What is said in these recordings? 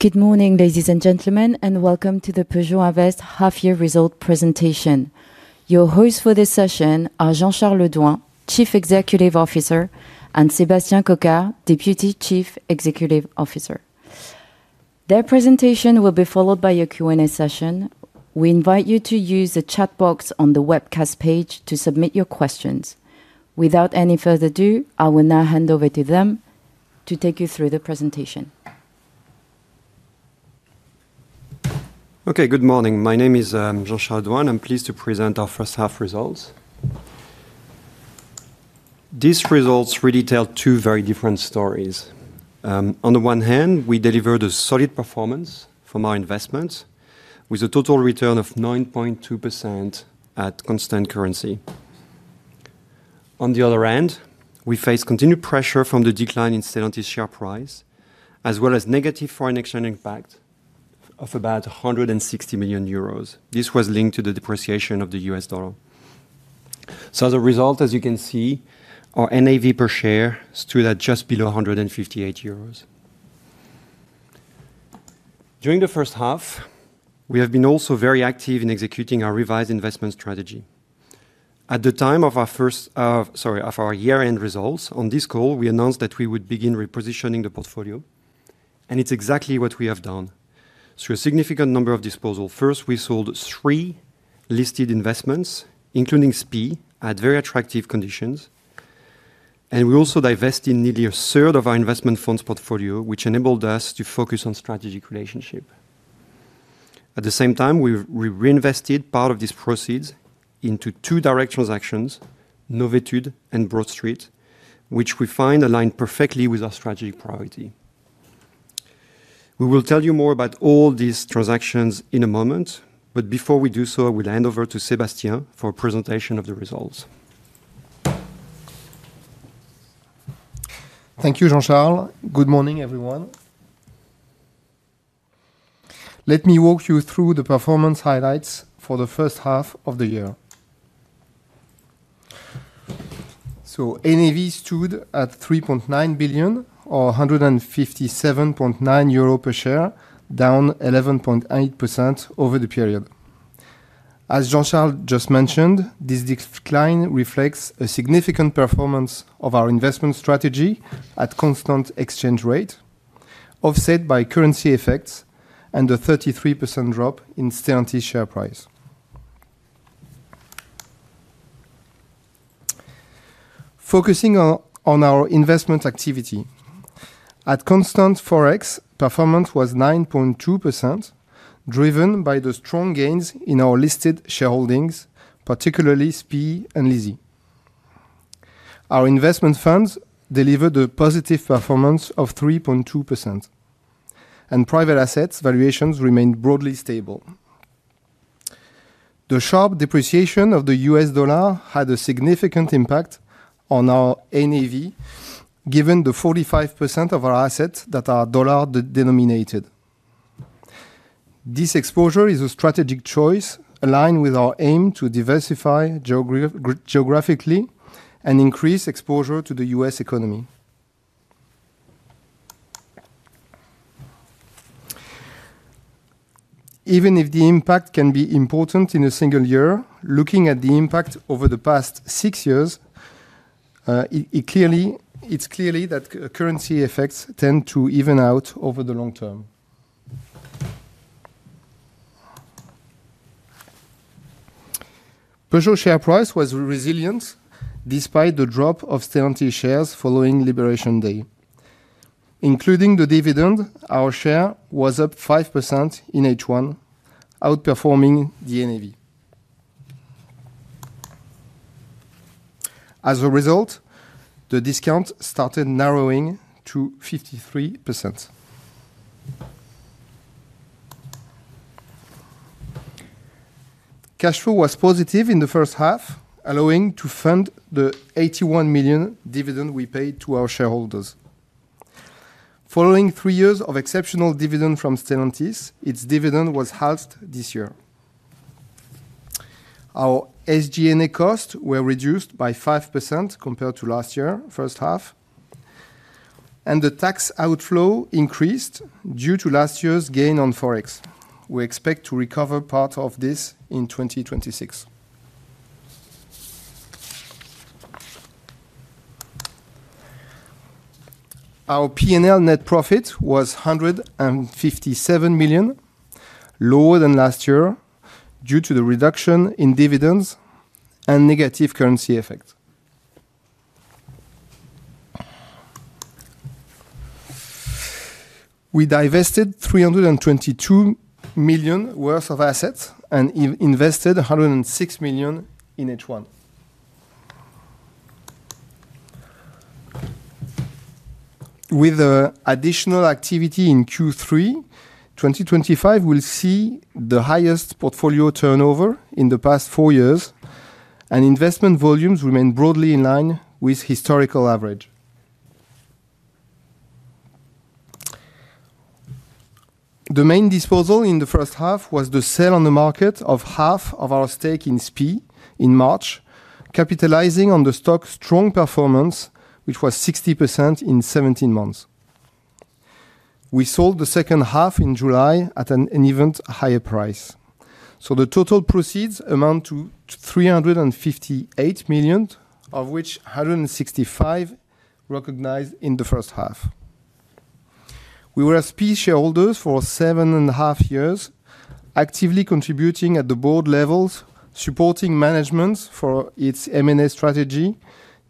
Good morning, ladies and gentlemen, and welcome to the Peugeot Invest half-year result presentation. Your hosts for this session are Jean-Charles Douin, Chief Executive Officer, and Sébastien Coquard, Deputy Chief Executive Officer. Their presentation will be followed by a Q&A session. We invite you to use the chat box on the webcast page to submit your questions. Without any further ado, I will now hand over to them to take you through the presentation. Okay, good morning. My name is Jean-Charles Douin. I'm pleased to present our first half results. These results really tell two very different stories. On the one hand, we delivered a solid performance from our investments, with a total return of 9.2% at constant currency. On the other hand, we faced continued pressure from the decline in Stellantis' share price, as well as negative foreign exchange impact of about €160 million. This was linked to the depreciation of the U.S. dollar. As a result, as you can see, our NAV per share stood at just below €158. During the first half, we have been also very active in executing our revised investment strategy. At the time of our year-end results on this call, we announced that we would begin repositioning the portfolio, and it's exactly what we have done. Through a significant number of disposals, first, we sold three listed investments, including SPE, at very attractive conditions. We also divested nearly a third of our investment funds portfolio, which enabled us to focus on strategic relationships. At the same time, we reinvested part of these proceeds into two direct transactions, Novitud and Broad Street, which we find align perfectly with our strategic priority. We will tell you more about all these transactions in a moment, but before we do so, I will hand over to Sébastien for a presentation of the results. Thank you, Jean-Charles. Good morning, everyone. Let me walk you through the performance highlights for the first half of the year. NAV stood at €3.9 billion, or €157.9 per share, down 11.8% over the period. As Jean-Charles just mentioned, this decline reflects a significant performance of our investment strategy at constant exchange rate, offset by currency effects and a 33% drop in Stellantis' share price. Focusing on our investment activity, at constant forex, performance was 9.2%, driven by the strong gains in our listed shareholdings, particularly SPE and Lizzie. Our investment funds delivered a positive performance of 3.2%, and private assets' valuations remained broadly stable. The sharp depreciation of the U.S. dollar had a significant impact on our NAV, given the 45% of our assets that are dollar denominated. This exposure is a strategic choice aligned with our aim to diversify geographically and increase exposure to the U.S. economy. Even if the impact can be important in a single year, looking at the impact over the past six years, it's clear that currency effects tend to even out over the long term. Peugeot Invest's share price was resilient despite the drop of Stellantis shares following Liberation Day. Including the dividend, our share was up 5% in H1, outperforming the NAV. As a result, the discount started narrowing to 53%. Cash flow was positive in the first half, allowing us to fund the €81 million dividend we paid to our shareholders. Following three years of exceptional dividend from Stellantis, its dividend was halved this year. Our SG&A costs were reduced by 5% compared to last year, first half, and the tax outflow increased due to last year's gain on forex. We expect to recover part of this in 2026. Our P&L net profit was €157 million, lower than last year due to the reduction in dividends and negative currency effects. We divested €322 million worth of assets and invested €106 million in H1. With additional activity in Q3, 2025 will see the highest portfolio turnover in the past four years, and investment volumes remain broadly in line with historical average. The main disposal in the first half was the sale on the market of half of our stake in SPE in March, capitalizing on the stock's strong performance, which was 60% in 17 months. We sold the second half in July at an even higher price. The total proceeds amount to €358 million, of which €165 million were recognized in the first half. We were a SPE shareholder for seven and a half years, actively contributing at the board levels, supporting management for its M&A strategy,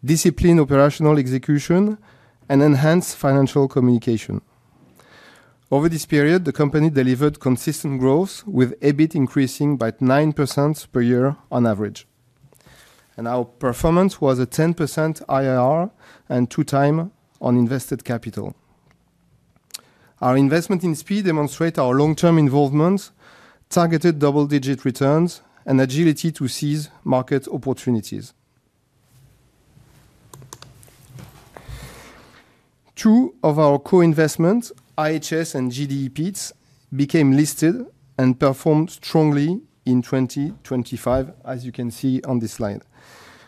disciplined operational execution, and enhanced financial communication. Over this period, the company delivered consistent growth, with EBIT increasing by 9% per year on average. Our performance was a 10% IRR and two times on invested capital. Our investment in SPE demonstrates our long-term involvement, targeted double-digit returns, and agility to seize market opportunities. Two of our co-investments, IHS and GDE Peats, became listed and performed strongly in 2025, as you can see on this slide.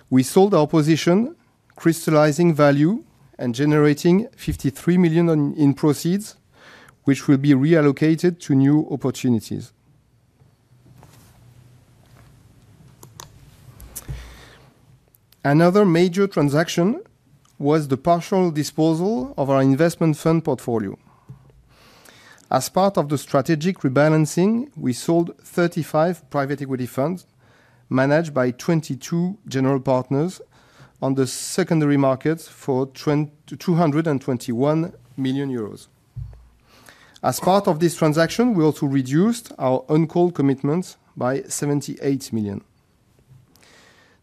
We sold our position, crystallizing value and generating €53 million in proceeds, which will be reallocated to new opportunities. Another major transaction was the partial disposal of our investment fund portfolio. As part of the strategic rebalancing, we sold 35 private equity funds managed by 22 general partners on the secondary markets for €221 million. As part of this transaction, we also reduced our on-call commitments by $78 million.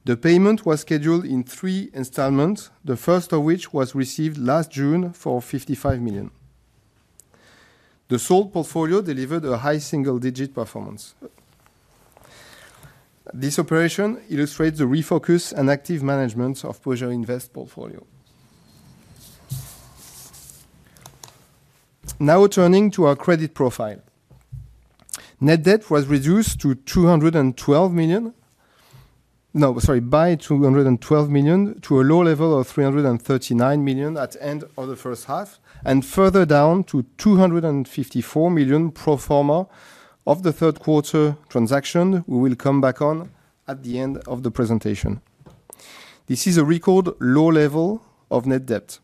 The payment was scheduled in three installments, the first of which was received last June for $55 million. The sold portfolio delivered a high single-digit performance. This operation illustrates the refocus and active management of the Peugeot Invest portfolio. Now turning to our credit profile. Net debt was reduced by $212 million to a low level of $339 million at the end of the first half, and further down to $254 million pro forma of the third quarter transaction we will come back on at the end of the presentation. This is a record low level of net debt.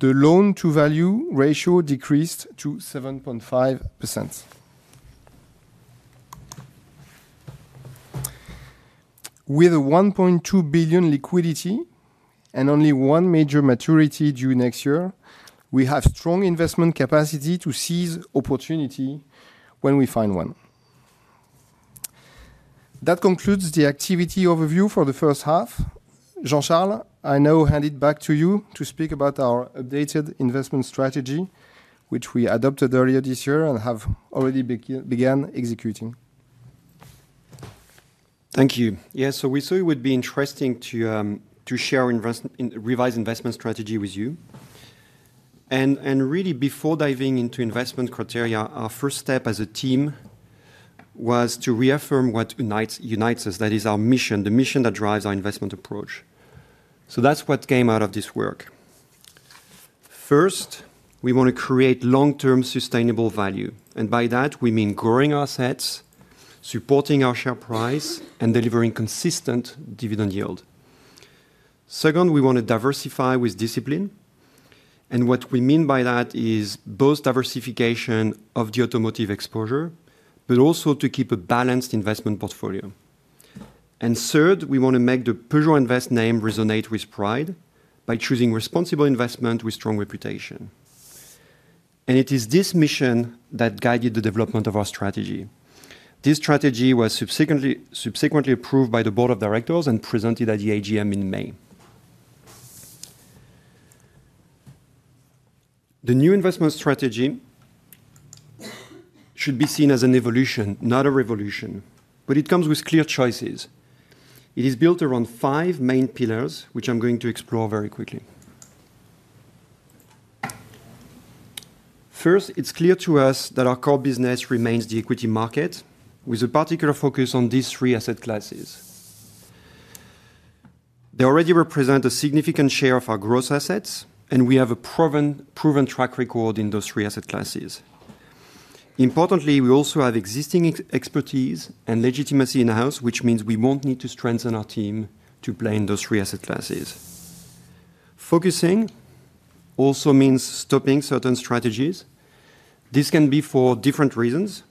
The loan-to-value ratio decreased to 7.5%. With $1.2 billion liquidity and only one major maturity due next year, we have strong investment capacity to seize opportunity when we find one. That concludes the activity overview for the first half. Jean-Charles, I now hand it back to you to speak about our updated investment strategy, which we adopted earlier this year and have already begun executing. Thank you. Yeah, we thought it would be interesting to share our revised investment strategy with you. Really, before diving into investment criteria, our first step as a team was to reaffirm what unites us, that is our mission, the mission that drives our investment approach. That's what came out of this work. First, we want to create long-term sustainable value. By that, we mean growing our assets, supporting our share price, and delivering consistent dividend yield. Second, we want to diversify with discipline. What we mean by that is both diversification of the automotive exposure, but also to keep a balanced investment portfolio. Third, we want to make the Peugeot Invest name resonate with pride by choosing responsible investment with strong reputation. It is this mission that guided the development of our strategy. This strategy was subsequently approved by the board of directors and presented at the AGM in May. The new investment strategy should be seen as an evolution, not a revolution, but it comes with clear choices. It is built around five main pillars, which I'm going to explore very quickly. First, it's clear to us that our core business remains the equity market, with a particular focus on these three asset classes. They already represent a significant share of our gross assets, and we have a proven track record in those three asset classes. Importantly, we also have existing expertise and legitimacy in-house, which means we won't need to strengthen our team to play in those three asset classes. Focusing also means stopping certain strategies. This can be for different reasons,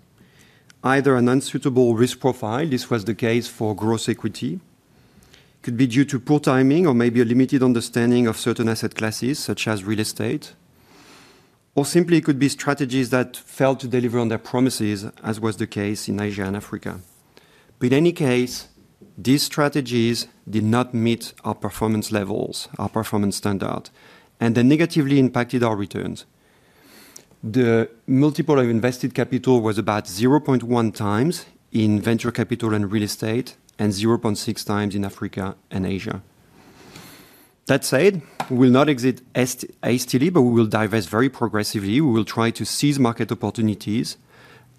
either an unsuitable risk profile, this was the case for gross equity. It could be due to poor timing or maybe a limited understanding of certain asset classes, such as real estate. Or simply, it could be strategies that failed to deliver on their promises, as was the case in Nigeria and Africa. In any case, these strategies did not meet our performance levels, our performance standard, and they negatively impacted our returns. The multiple of invested capital was about 0.1 times in venture capital and real estate, and 0.6 times in Africa and Asia. That said, we will not exit hastily, but we will divest very progressively. We will try to seize market opportunities,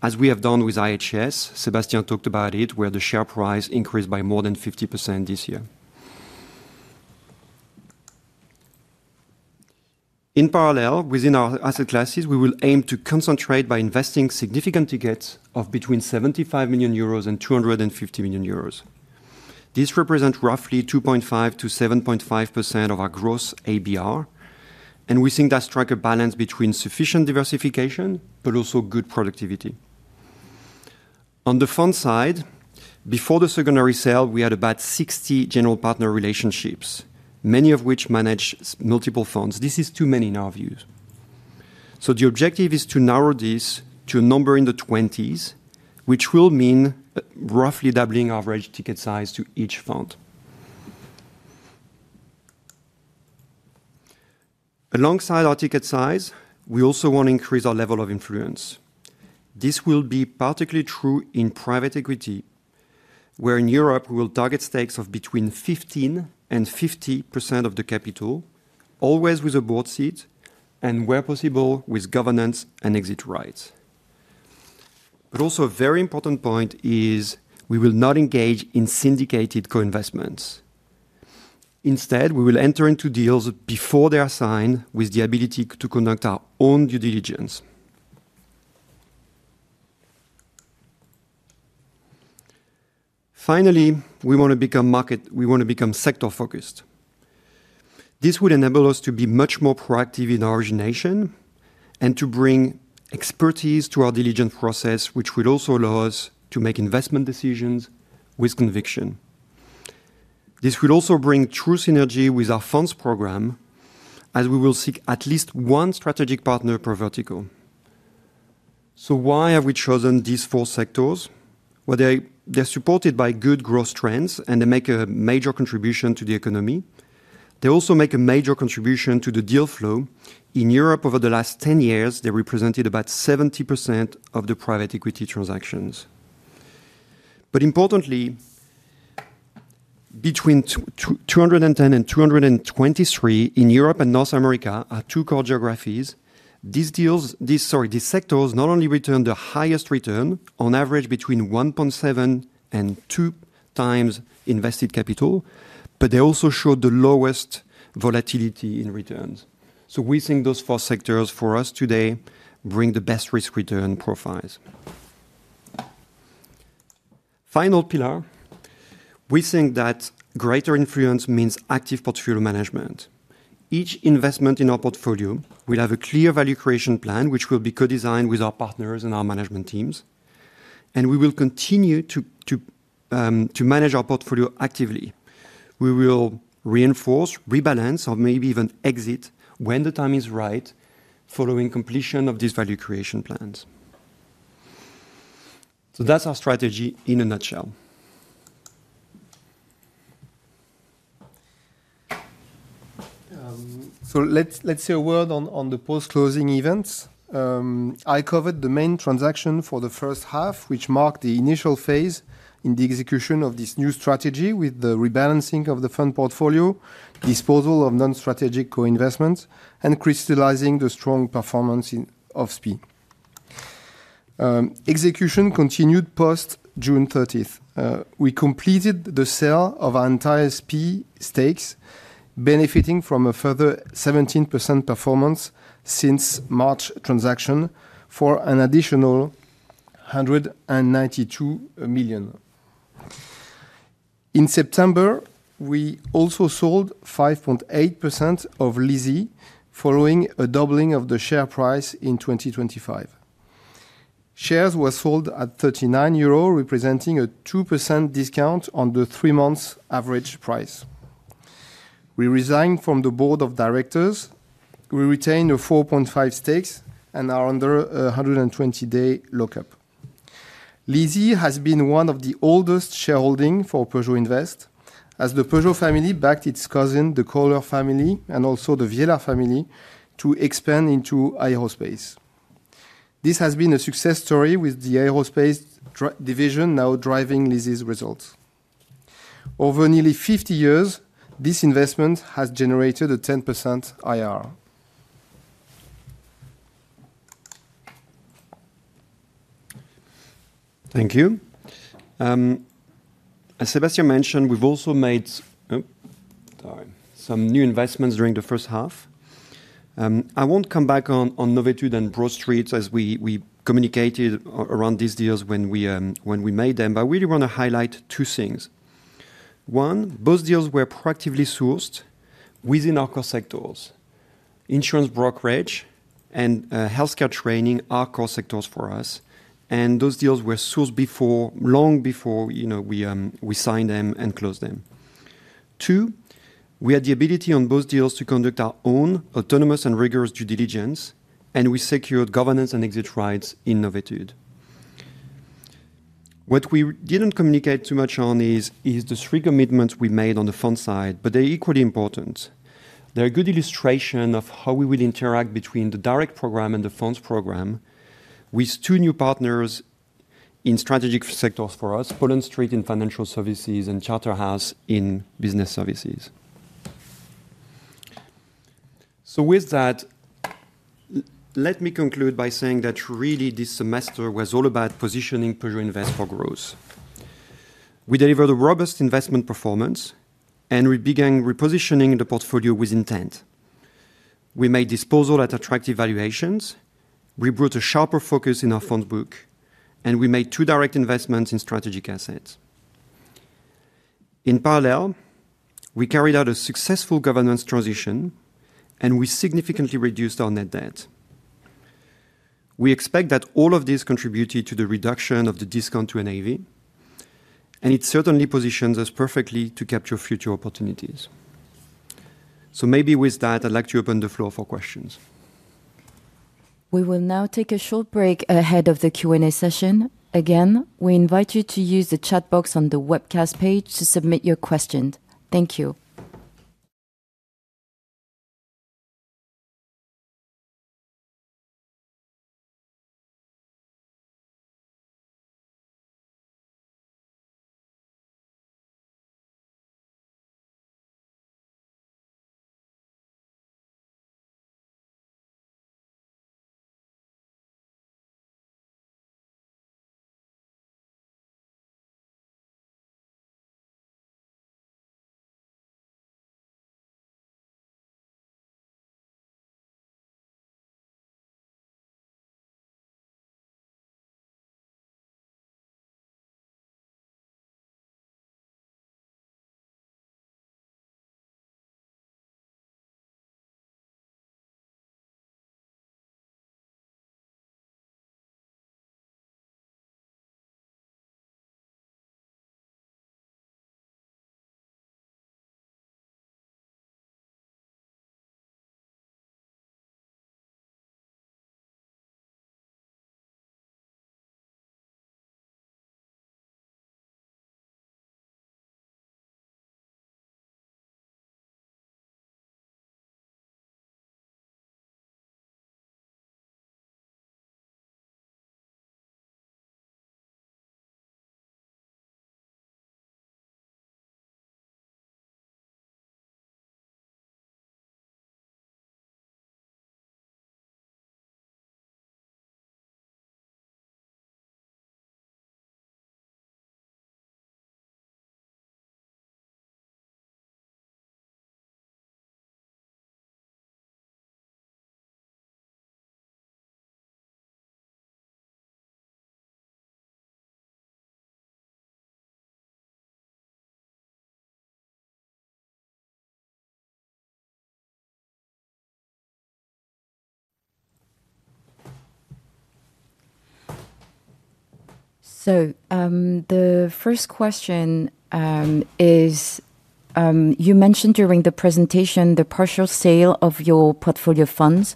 as we have done with IHS. Sébastien talked about it, where the share price increased by more than 50% this year. In parallel, within our asset classes, we will aim to concentrate by investing significant tickets of between €75 million and €250 million. This represents roughly 2.5% to 7.5% of our gross ABR, and we think that strikes a balance between sufficient diversification, but also good productivity. On the fund side, before the secondary sale, we had about 60 general partner relationships, many of which managed multiple funds. This is too many in our views. The objective is to narrow this to a number in the 20s, which will mean roughly doubling our average ticket size to each fund. Alongside our ticket size, we also want to increase our level of influence. This will be particularly true in private equity, where in Europe, we will target stakes of between 15% and 50% of the capital, always with a board seat, and where possible, with governance and exit rights. Also, a very important point is we will not engage in syndicated co-investments. Instead, we will enter into deals before they are signed, with the ability to conduct our own due diligence. Finally, we want to become sector-focused. This would enable us to be much more proactive in our origination and to bring expertise to our diligence process, which would also allow us to make investment decisions with conviction. This would also bring true synergy with our funds program, as we will seek at least one strategic partner per vertical. Why have we chosen these four sectors? They're supported by good growth trends, and they make a major contribution to the economy. They also make a major contribution to the deal flow. In Europe, over the last 10 years, they represented about 70% of the private equity transactions. Importantly, between 2010 and 2023 in Europe and North America, our two core geographies, these sectors not only returned the highest return, on average between 1.7 and 2 times invested capital, but they also showed the lowest volatility in returns. We think those four sectors, for us today, bring the best risk-return profiles. The final pillar, we think that greater influence means active portfolio management. Each investment in our portfolio will have a clear value creation plan, which will be co-designed with our partners and our management teams. We will continue to manage our portfolio actively. We will reinforce, rebalance, or maybe even exit when the time is right, following completion of these value creation plans. That's our strategy in a nutshell. Let's say a word on the post-closing events. I covered the main transaction for the first half, which marked the initial phase in the execution of this new strategy, with the rebalancing of the fund portfolio, disposal of non-strategic co-investments, and crystallizing the strong performance of SPE. Execution continued post-June 30. We completed the sale of our entire SPE stakes, benefiting from a further 17% performance since the March transaction for an additional €192 million. In September, we also sold 5.8% of Lizzie, following a doubling of the share price in 2023. Shares were sold at €39, representing a 2% discount on the three-month average price. We resigned from the board of directors. We retain 4.5% stakes and are under a 120-day lockup. Lizzie has been one of the oldest shareholders for Peugeot Invest, as the Peugeot family backed its cousin, the Kohler family, and also the Viella family to expand into aerospace. This has been a success story with the aerospace division now driving Lizzie's results. Over nearly 50 years, this investment has generated a 10% IRR. Thank you. As Sébastien mentioned, we've also made some new investments during the first half. I won't come back on Novitud and Broad Street as we communicated around these deals when we made them, but I really want to highlight two things. One, both deals were proactively sourced within our core sectors. Insurance brokerage and healthcare training are core sectors for us, and those deals were sourced long before we signed them and closed them. Two, we had the ability on both deals to conduct our own autonomous and rigorous due diligence, and we secured governance and exit rights in Novitud. What we didn't communicate too much on is the three commitments we made on the fund side, but they're equally important. They're a good illustration of how we will interact between the direct program and the funds program, with two new partners in strategic sectors for us: Poland Street in financial services and Charter House in business services. With that, let me conclude by saying that really this semester was all about positioning Peugeot Invest for growth. We delivered a robust investment performance, and we began repositioning the portfolio with intent. We made disposal at attractive valuations, we brought a sharper focus in our fund book, and we made two direct investments in strategic assets. In parallel, we carried out a successful governance transition, and we significantly reduced our net debt. We expect that all of this contributed to the reduction of the discount to NAV, and it certainly positions us perfectly to capture future opportunities. Maybe with that, I'd like to open the floor for questions. We will now take a short break ahead of the Q&A session. Again, we invite you to use the chat box on the webcast page to submit your questions. Thank you. The first question is, you mentioned during the presentation the partial sale of your portfolio funds,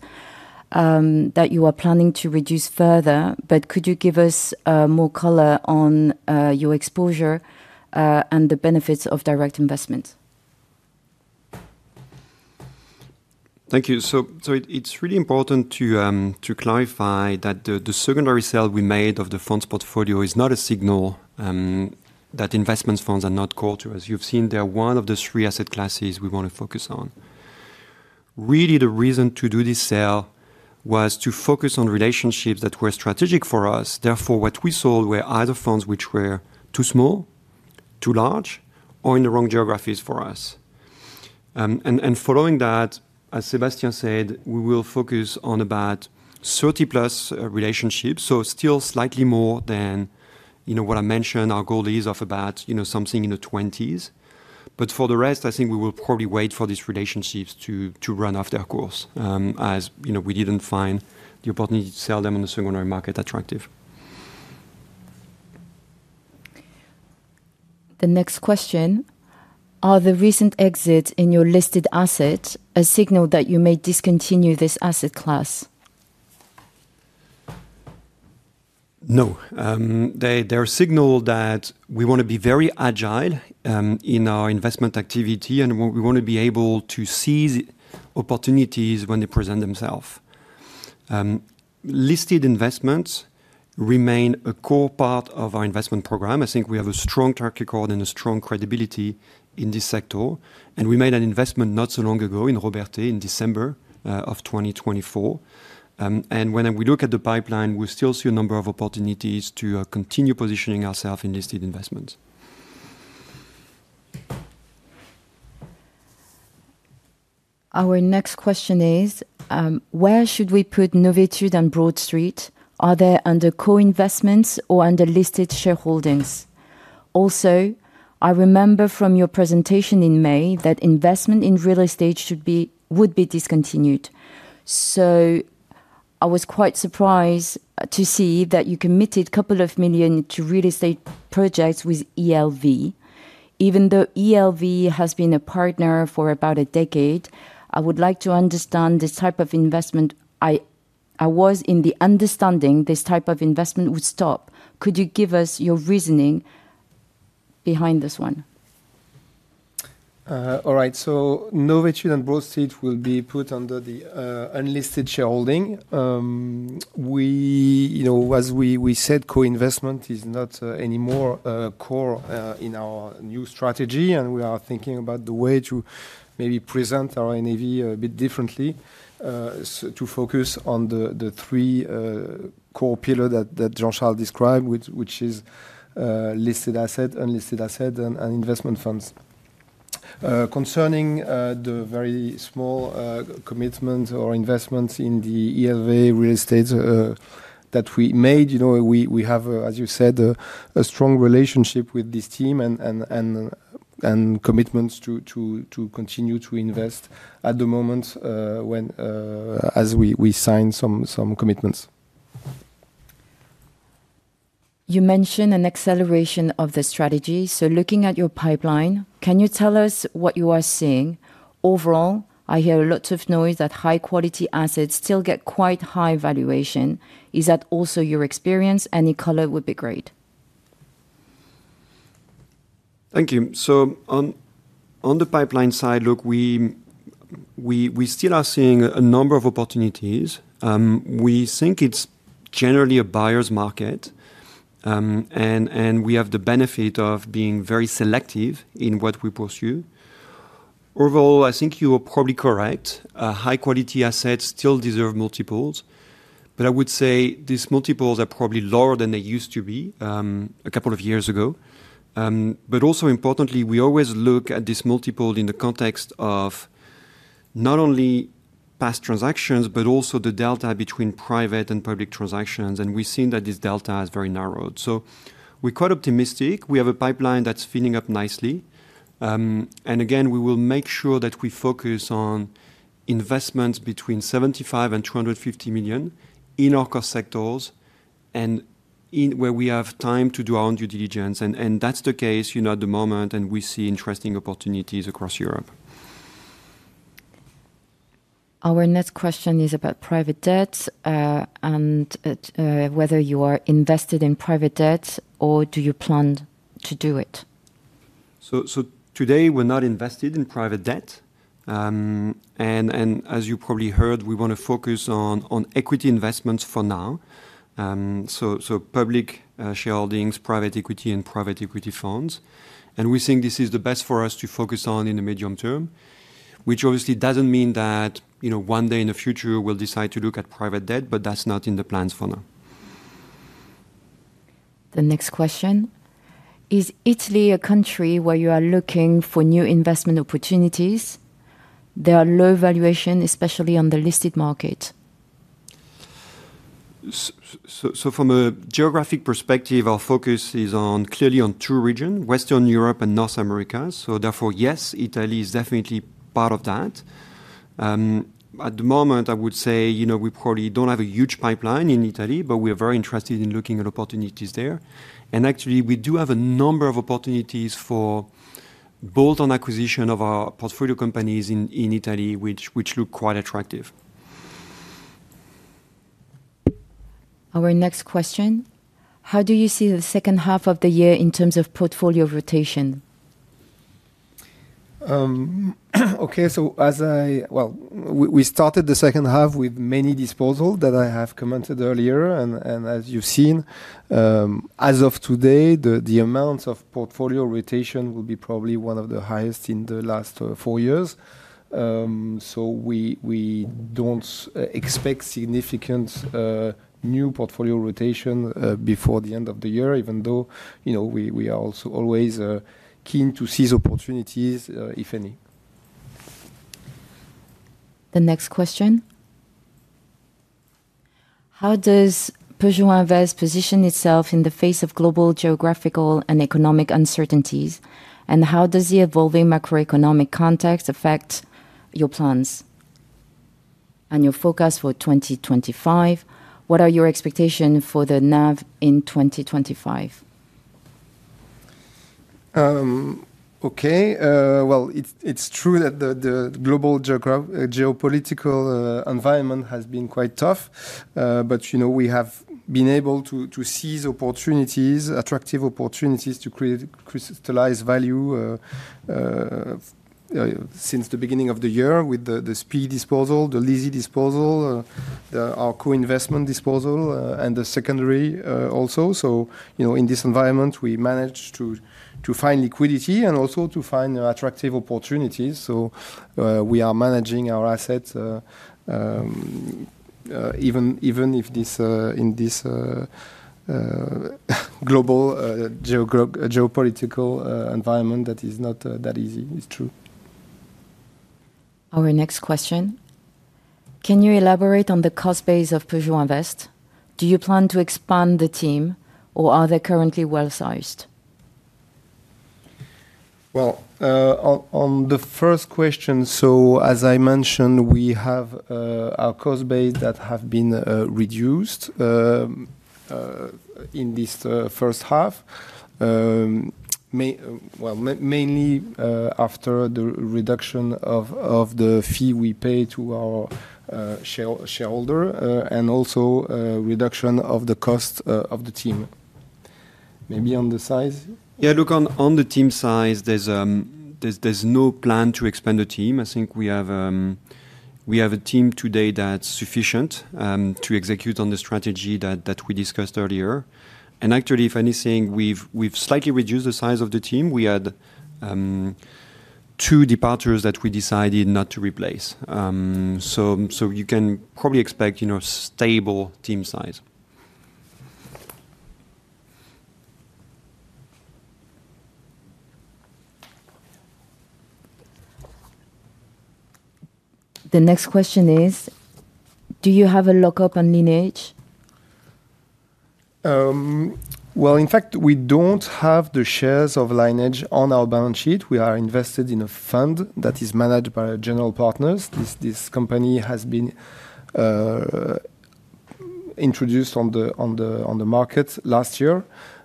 that you are planning to reduce further, but could you give us more color on your exposure and the benefits of direct investment? Thank you. It's really important to clarify that the secondary sale we made of the funds portfolio is not a signal that investment funds are not core to us. You've seen they're one of the three asset classes we want to focus on. Really, the reason to do this sale was to focus on relationships that were strategic for us. Therefore, what we sold were either funds which were too small, too large, or in the wrong geographies for us. Following that, as Sébastien said, we will focus on about 30-plus relationships, so still slightly more than what I mentioned, our goal is of about something in the 20s. For the rest, I think we will probably wait for these relationships to run off their course, as we didn't find the opportunity to sell them on the secondary market attractive. The next question: are the recent exits in your listed assets a signal that you may discontinue this asset class? No. They're a signal that we want to be very agile in our investment activity, and we want to be able to seize opportunities when they present themselves. Listed investments remain a core part of our investment program. I think we have a strong track record and a strong credibility in this sector. We made an investment not so long ago in Robertet in December 2024. When we look at the pipeline, we still see a number of opportunities to continue positioning ourselves in listed investments. Our next question is: where should we put Novitud and Broad Street? Are they under co-investments or under listed shareholders? Also, I remember from your presentation in May that investment in real estate would be discontinued. I was quite surprised to see that you committed a couple of million to real estate projects with ELV. Even though ELV has been a partner for about a decade, I would like to understand this type of investment. I was in the understanding this type of investment would stop. Could you give us your reasoning behind this one? All right, so Novitud and Broad Street will be put under the unlisted shareholding. As we said, co-investment is not anymore core in our new strategy, and we are thinking about the way to maybe present our NAV a bit differently, to focus on the three core pillars that Jean-Charles described, which are listed assets, unlisted assets, and investment funds. Concerning the very small commitment or investments in the ELV real estate that we made, we have, as you said, a strong relationship with this team and commitments to continue to invest at the moment when we sign some commitments. You mentioned an acceleration of the strategy. Looking at your pipeline, can you tell us what you are seeing? Overall, I hear a lot of noise that high-quality assets still get quite high valuation. Is that also your experience? Any color would be great. Thank you. On the pipeline side, look, we still are seeing a number of opportunities. We think it's generally a buyer's market, and we have the benefit of being very selective in what we pursue. Overall, I think you are probably correct. High-quality assets still deserve multiples, but I would say these multiples are probably lower than they used to be a couple of years ago. Importantly, we always look at this multiple in the context of not only past transactions, but also the delta between private and public transactions, and we've seen that this delta has very narrowed. We're quite optimistic. We have a pipeline that's filling up nicely. We will make sure that we focus on investments between €75 million and €250 million in our core sectors and where we have time to do our own due diligence. That's the case at the moment, and we see interesting opportunities across Europe. Our next question is about private debt and whether you are invested in private debt or do you plan to do it. Today, we're not invested in private debt. As you probably heard, we want to focus on equity investments for now: public shareholdings, private equity, and private equity funds. We think this is the best for us to focus on in the medium term, which obviously doesn't mean that, you know, one day in the future we'll decide to look at private debt, but that's not in the plans for now. The next question: Is Italy a country where you are looking for new investment opportunities? They are low valuation, especially on the listed market. From a geographic perspective, our focus is clearly on two regions: Western Europe and North America. Therefore, yes, Italy is definitely part of that. At the moment, I would say we probably don't have a huge pipeline in Italy, but we are very interested in looking at opportunities there. Actually, we do have a number of opportunities for bolt-on acquisition of our portfolio companies in Italy, which look quite attractive. Our next question: how do you see the second half of the year in terms of portfolio rotation? Okay, as I started the second half with many disposals that I have commented earlier, as you've seen, as of today, the amount of portfolio rotation will be probably one of the highest in the last four years. We don't expect significant new portfolio rotation before the end of the year, even though, you know, we are also always keen to seize opportunities, if any. The next question: how does Peugeot Invest position itself in the face of global geographical and economic uncertainties, and how does the evolving macroeconomic context affect your plans and your focus for 2025? What are your expectations for the NAV in 2025? Okay, it's true that the global geopolitical environment has been quite tough, but you know, we have been able to seize opportunities, attractive opportunities to create crystallized value since the beginning of the year with the SPE disposal, the Lizzie disposal, our co-investment disposal, and the secondary also. In this environment, we managed to find liquidity and also to find attractive opportunities. We are managing our assets even in this global geopolitical environment that is not that easy, it's true. Our next question: can you elaborate on the cost base of Peugeot Invest? Do you plan to expand the team, or are they currently well-sized? On the first question, as I mentioned, we have our cost base that has been reduced in this first half, mainly after the reduction of the fee we pay to our shareholder and also a reduction of the cost of the team. Maybe on the size? Yeah, on the team size, there's no plan to expand the team. I think we have a team today that's sufficient to execute on the strategy that we discussed earlier. Actually, if anything, we've slightly reduced the size of the team. We had two departures that we decided not to replace. You can probably expect stable team size. The next question is: do you have a lockup on Lineage? In fact, we don't have the shares of Lineage on our balance sheet. We are invested in a fund that is managed by general partners. This company has been introduced on the market last year,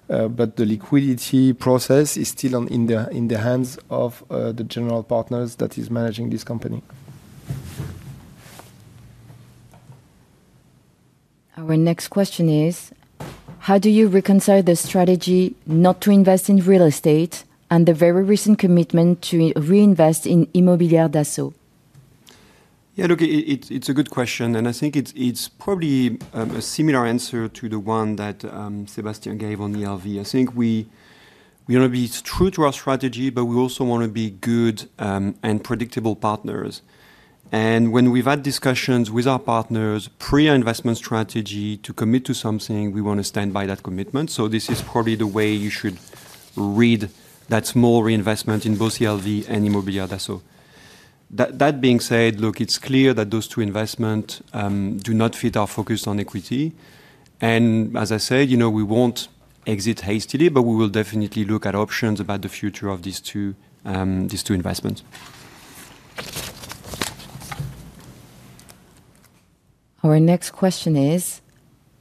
but the liquidity process is still in the hands of the general partners that is managing this company. Our next question is: how do you reconcile the strategy not to invest in real estate and the very recent commitment to reinvest in Immobilière d'Assaut? Yeah, look, it's a good question, and I think it's probably a similar answer to the one that Sébastien Coquard gave on ELV. I think we want to be true to our strategy, but we also want to be good and predictable partners. When we've had discussions with our partners pre-investment strategy to commit to something, we want to stand by that commitment. This is probably the way you should read that small reinvestment in both ELV and Immobilière d'Assaut. That being said, it's clear that those two investments do not fit our focus on equity. As I said, you know, we won't exit hastily, but we will definitely look at options about the future of these two investments. Our next question is: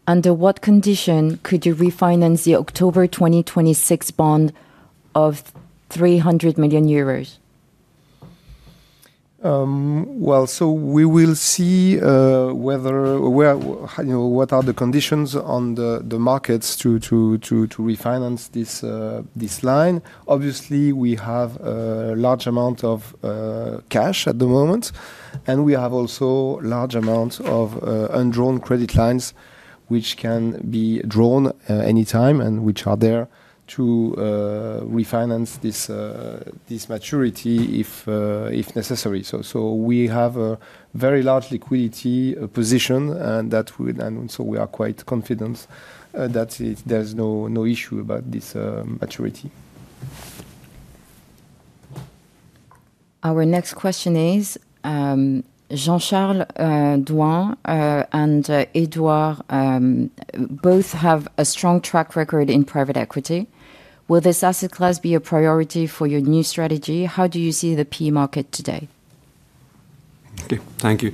under what condition could you refinance the October 2026 bond of €300 million? We will see what are the conditions on the markets to refinance this line. Obviously, we have a large amount of cash at the moment, and we have also a large amount of undrawn credit lines, which can be drawn anytime and which are there to refinance this maturity if necessary. We have a very large liquidity position, and we are quite confident that there's no issue about this maturity. Our next question is: Jean-Charles Douin and Édouard both have a strong track record in private equity. Will this asset class be a priority for your new strategy? How do you see the PE market today? Thank you.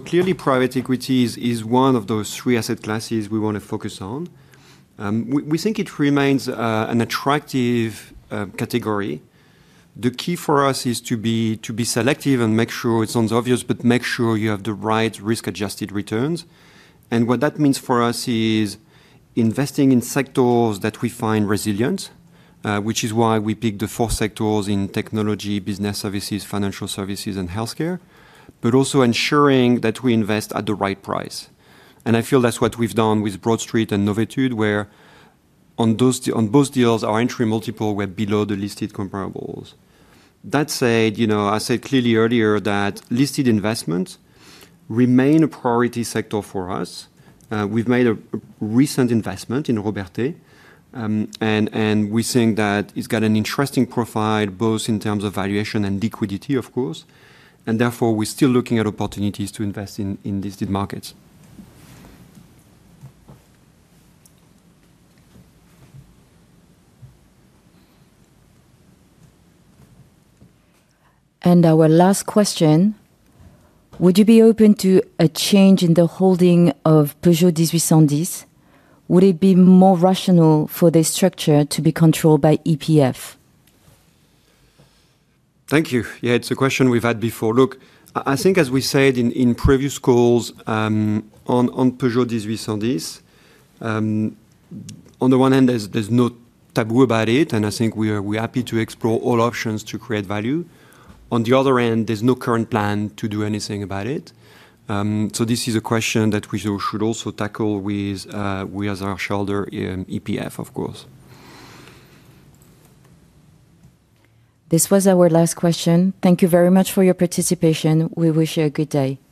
Clearly, private equity is one of those three asset classes we want to focus on. We think it remains an attractive category. The key for us is to be selective and make sure, it sounds obvious, but make sure you have the right risk-adjusted returns. What that means for us is investing in sectors that we find resilient, which is why we picked the four sectors in technology, business services, financial services, and healthcare, but also ensuring that we invest at the right price. I feel that's what we've done with Broad Street and Novitud, where on both deals, our entry multiple were below the listed comparables. That said, I said clearly earlier that listed investments remain a priority sector for us. We've made a recent investment in Robertet, and we think that it's got an interesting profile both in terms of valuation and liquidity, of course. Therefore, we're still looking at opportunities to invest in listed markets. Our last question: would you be open to a change in the holding of Peugeot 1810? Would it be more rational for this structure to be controlled by EPF? Thank you. Yeah, it's a question we've had before. Look, I think as we said in previous calls on Peugeot Invest, on the one hand, there's no taboo about it, and I think we're happy to explore all options to create value. On the other hand, there's no current plan to do anything about it. This is a question that we should also tackle with our shareholder in EPF, of course. This was our last question. Thank you very much for your participation. We wish you a good day. Goodbye.